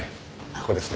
ここですね。